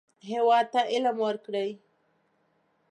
هېواد ته علم ورکړئ